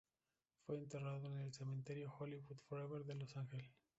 Fue enterrado en el cementerio Hollywood Forever de Los Ángeles.